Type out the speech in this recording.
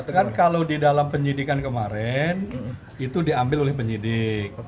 kan kalau di dalam penyidikan kemarin itu diambil oleh penyidik